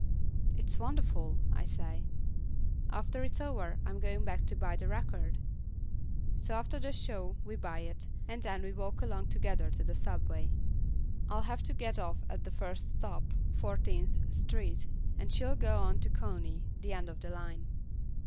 "It's wonderful," I say. "After it's over, I'm going back to buy the record." So after the show we buy it, and then we walk along together to the subway. I'll have to get off at the first stop, Fourteenth Street, and she'll go on to Coney, the end of the line.